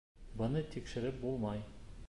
Быны тикшереп булмай.